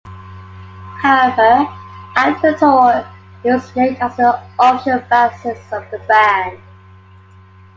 However, after the tour, he was named as the official bassist of the band.